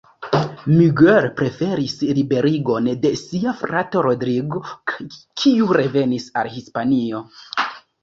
Miguel preferis liberigon de sia frato Rodrigo, kiu revenis al Hispanio.